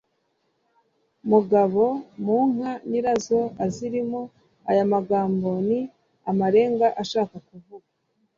mugabo mu nka nyirazo azirimo: aya magambo ni amarenga ashaka kuvuga